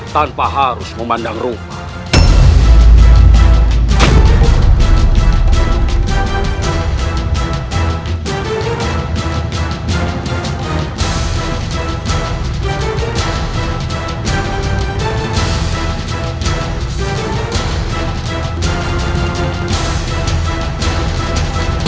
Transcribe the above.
tanpa harus memandang rumah